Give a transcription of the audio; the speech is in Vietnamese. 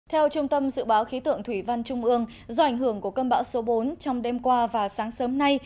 theo trung tâm dự báo khí tượng thủy văn trung ương do ảnh hưởng của cơn bão số bốn trong đêm qua và sáng sớm nay